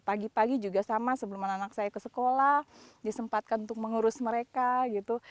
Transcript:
pagi pagi juga sama sebelum anak anak saya ke sekolah disempatkan untuk mengurus mereka gitu